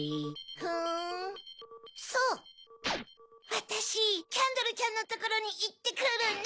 わたしキャンドルちゃんのところにいってくるね。